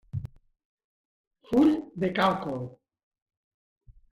Full de càlcul.